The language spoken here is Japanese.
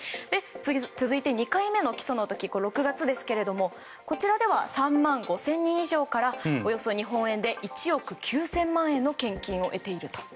続いて、２回目の起訴の時６月ですけれどもこちらでは３万５０００人以上からおよそ日本円で１億９０００万円の献金を得ていると。